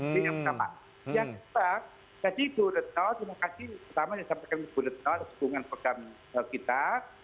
jadi yang pertama yang kedua jadi bu retno terima kasih pertama yang disampaikan bu retno untuk dukungan program kita